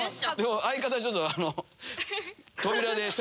相方ちょっとあの。